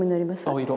青色。